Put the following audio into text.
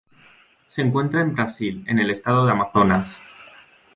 Se encuentra en Brasil en el Estado de Amazonas.